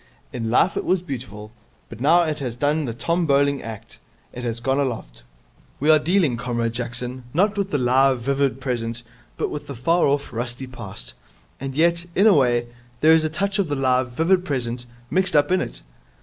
In life it was beautiful, but now it has done the Tom Bowling act. It has gone aloft. We are dealing, Comrade Jackson, not with the live, vivid present, but with the far off, rusty past. And yet, in a way, there is a touch of the live, vivid present mixed up in it.'